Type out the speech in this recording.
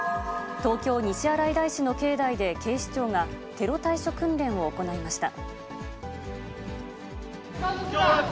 東京・西新井大師の境内で警視庁が、テロ対処訓練を行いました。